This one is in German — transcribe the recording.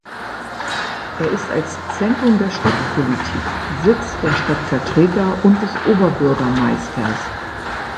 Er ist als Zentrum der Stadtpolitik Sitz der Stadtvertreter und des Oberbürgermeisters.